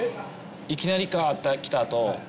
「いきなりか」って来たあと